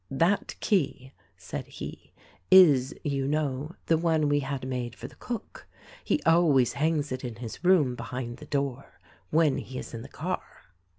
"That key," said he, "is, you know, the one we had made for the cook. He always hangs it in his room behind the door, when he is in the car."